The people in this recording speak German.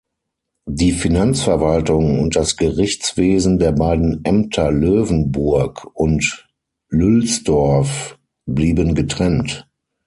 Die Finanzverwaltung und das Gerichtswesen der beiden Ämter Löwenburg und Lülsdorf blieben getrennt.